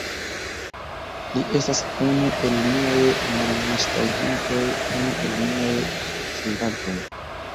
Li estas unu el miaj maljustagintoj, unu el miaj ŝuldantoj!